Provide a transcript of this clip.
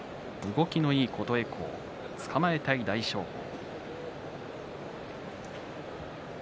動きのいい琴恵光つかまえたい大翔鵬。